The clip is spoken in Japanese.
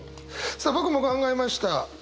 さあ僕も考えました。